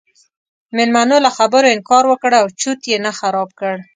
میلمنو له خبرو انکار وکړ او چرت یې نه خراب کړ.